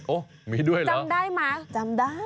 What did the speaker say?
มีด้วยเหรอจำได้ไหมจำได้